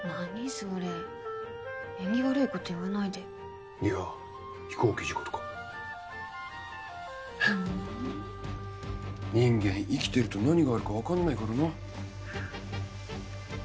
それ縁起悪いこと言わないでいやぁ飛行機事故とかふん人間生きてると何があるか分かんない